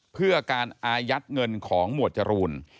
เพื่อการอายัดเงินของหมวดจรูน